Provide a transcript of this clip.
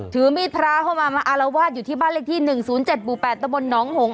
ถือมีดพระเข้ามามาอารวาสอยู่ที่บ้านเลขที่๑๐๗หมู่๘ตะบนหนองหง